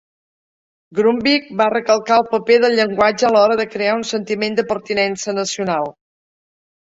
Grundtvig va recalcar el paper del llenguatge a l'hora de crear un sentiment de pertinença nacional.